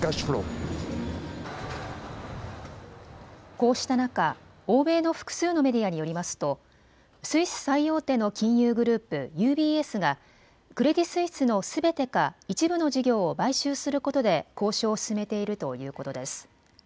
こうした中、欧米の複数のメディアによりますとスイス最大手の金融グループ、ＵＢＳがクレディ・スイスのすべてか一部の事業を買収することで交渉を進めているということです。